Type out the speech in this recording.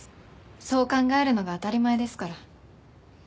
そう考えるのが当たり前ですから。